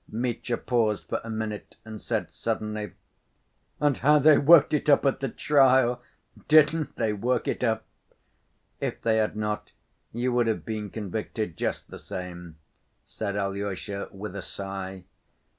Mitya paused for a minute and said suddenly: "And how they worked it up at the trial! Didn't they work it up!" "If they had not, you would have been convicted just the same," said Alyosha, with a sigh.